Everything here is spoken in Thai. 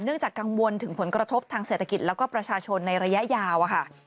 จากกังวลถึงผลกระทบทางเศรษฐกิจแล้วก็ประชาชนในระยะยาวค่ะ